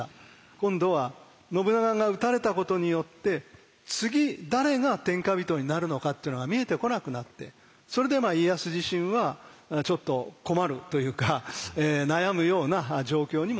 今度は信長が討たれたことによって次誰が天下人になるのかっていうのが見えてこなくなってそれで家康自身はちょっと困るというか悩むような状況にもなりました。